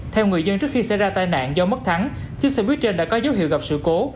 theo người dân trước khi xảy ra tai nạn do mất thắng chiếc xe buýt trên đã có dấu hiệu gặp sự cố